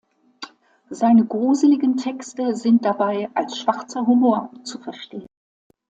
Seine gruseligen Texte sind dabei als schwarzer Humor zu verstehen.